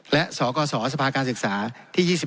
และสกสสภาการศึกษาที่๒๑